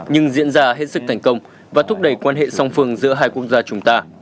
nhưng diễn ra hết sức thành công và thúc đẩy quan hệ song phương giữa hai quốc gia chúng ta